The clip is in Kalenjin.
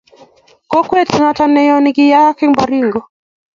Kokwet noto neo nekiyayak eng Baringo